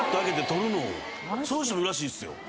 そういう人もいるらしいっすよ。